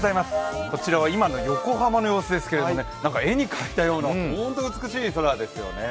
こちらは今の横浜の映像ですけど絵に描いたような美しい空ですよね。